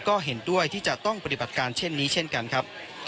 ก็เห็นด้วยที่จะต้องปฏิบัติการเช่นนี้เช่นกันครับ